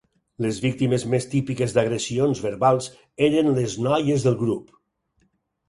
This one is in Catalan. Les víctimes més típiques d'agressions verbals eren les noies del grup.